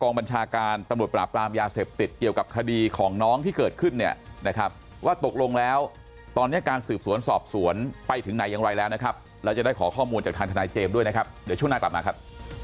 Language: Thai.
บัญชาการตำรวจปราบปรามยาเสพติดเกี่ยวกับคดีของน้องที่เกิดขึ้นเนี่ยนะครับว่าตกลงแล้วตอนนี้การสืบสวนสอบสวนไปถึงไหนอย่างไรแล้วนะครับเราจะได้ขอข้อมูลจากทางทนายเจมส์ด้วยนะครับเดี๋ยวช่วงหน้ากลับมาครับ